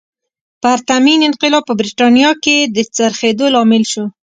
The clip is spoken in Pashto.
پرتمین انقلاب په برېټانیا کې د څرخېدو لامل شو.